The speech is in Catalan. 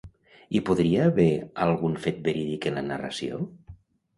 Hi podria haver algun fet verídic en la narració?